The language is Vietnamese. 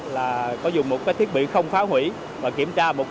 là có dùng một cái thiết bị không phá hủy và kiểm tra một trăm linh